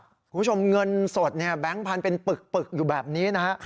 คุณผู้ชมเงินสดเนี่ยแบงค์พันธุ์เป็นปึกอยู่แบบนี้นะฮะ